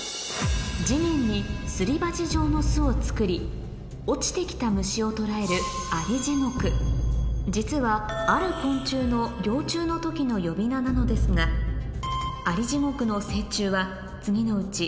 地面にすり鉢状の巣を作り落ちてきた虫を捕らえるアリジゴク実はある昆虫の幼虫の時の呼び名なのですがこれはもう。